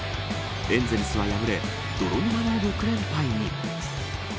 エンゼルスは敗れ泥沼の６連敗に。